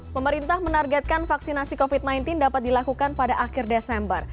pemerintah menargetkan vaksinasi covid sembilan belas dapat dilakukan pada akhir desember